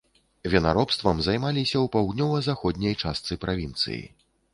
Вінаробствам займаліся ў паўднёва-заходняй частцы правінцыі.